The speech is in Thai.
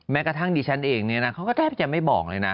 กระทั่งดิฉันเองเนี่ยนะเขาก็แทบจะไม่บอกเลยนะ